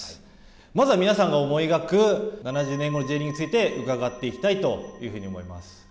まずは皆さんが思い描く、７０年後のＪリーグについて伺っていきたいというふうに思います。